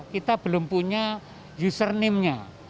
kita belum punya username nya